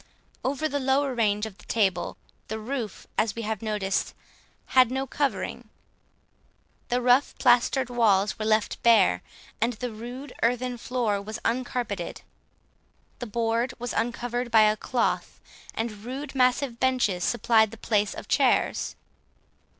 Over the lower range of table, the roof, as we have noticed, had no covering; the rough plastered walls were left bare, and the rude earthen floor was uncarpeted; the board was uncovered by a cloth, and rude massive benches supplied the place of chairs.